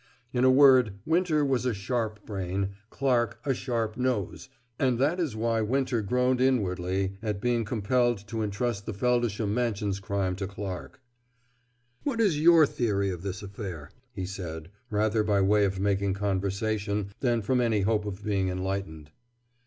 In a word, Winter was a sharp brain, Clarke a sharp nose, and that is why Winter groaned inwardly at being compelled to intrust the Feldisham Mansions crime to Clarke. "What is your theory of this affair?" he said, rather by way of making conversation than from any hope of being enlightened.